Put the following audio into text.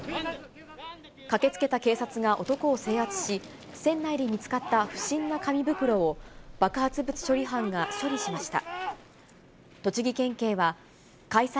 駆けつけた警察が男を制圧し、船内で見つかった不審な紙袋を、爆発物処理班が処理しました。